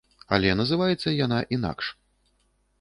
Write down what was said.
Але называецца яна інакш.